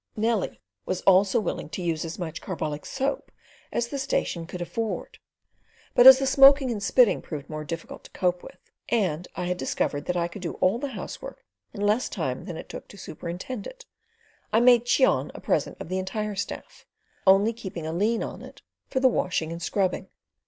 Nellie was also willing to use as much carbolic soap as the station could afford; but as the smoking and spitting proved more difficult to cope with, and I had discovered that I could do all the "housework" in less time than it took to superintend it, I made Cheon a present of the entire staff, only keeping a lien on it for the washing and scrubbing.